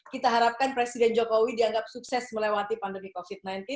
kita harapkan presiden jokowi dianggap sukses melewati pandemi covid sembilan belas